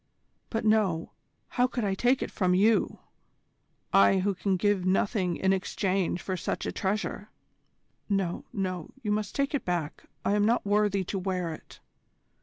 But no! How could I take it from you I who can give nothing in exchange for such a treasure? No, no, you must take it back. I am not worthy to wear it."